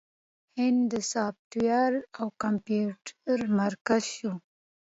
هند د سافټویر او کمپیوټر مرکز شو.